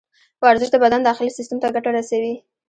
ورزش د بدن داخلي سیستم ته ګټه رسوي.